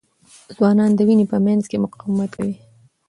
ځوانان د وینې په مینځ کې مقاومت کوي.